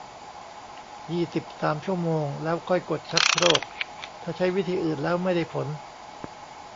ยี่สิบสาม ชั่วโมง แล้วค่อยกดชักโครก ถ้าใช้วิธีอื่นแล้วไม่ได้ผล